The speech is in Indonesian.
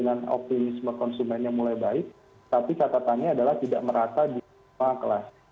dengan optimisme konsumennya mulai baik tapi catatannya adalah tidak merata di semua kelas